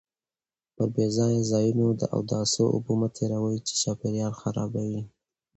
پر بې ځایه ځایونو د اوداسه اوبه مه تېروئ چې چاپیریال خرابوي.